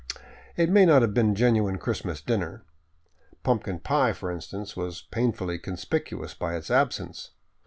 It may not have been a genuine Christmas dinner. Pumpkin pie, for instance, was painfully conspicuous by its absence.